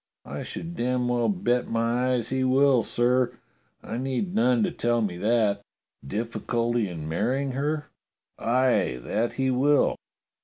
" I should damn well bet my eyes he will, sir ! I need none to tell me that. Difficulty in marrying her.? Aye, that he will.